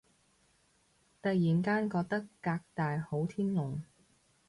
突然間覺得革大好天龍